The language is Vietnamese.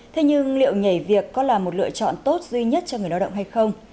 thế nhưng liệu nhảy việc có là một lựa chọn tốt duy nhất cho người lao động hay không